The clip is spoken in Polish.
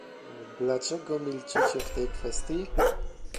Dlaczego milczycie w tej kwestii?